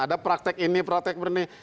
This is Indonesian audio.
ada praktek ini praktek berani